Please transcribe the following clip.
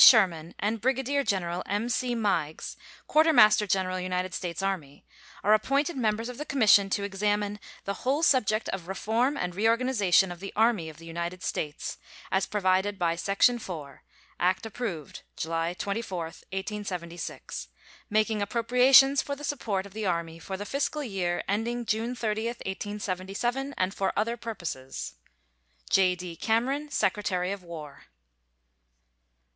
Sherman and Brigadier General M.C. Meigs, Quartermaster General United States Army, are appointed members of the commission to examine "the whole subject of reform and reorganization of the Army of the United States," as provided by section 4, act approved July 24, 1876, "making appropriations for the support of the Army for the fiscal year ending June 30, 1877, and for other purposes." J.D. CAMERON, Secretary of War.